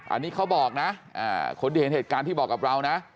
อันนี้เขาบอกนะคนที่เห็นเหตุการณ์ที่บอกกับเรานะ